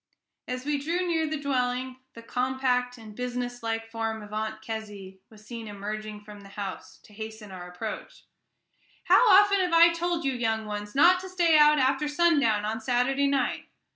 As we drew near the dwelling, the compact and businesslike form of Aunt Kezzy was seen emerging from the house to hasten our approach. "How often have I told you, young ones, not to stay out after sundown on Saturday night?